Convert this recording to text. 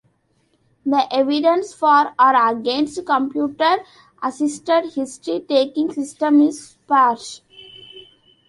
The evidence for or against computer-assisted history taking systems is sparse.